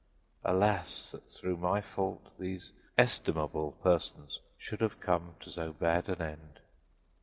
Alas, that through my fault these estimable persons should have come to so bad an end!